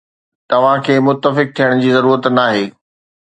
توهان کي متفق ٿيڻ جي ضرورت ناهي.